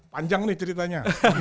panjang nih ceritanya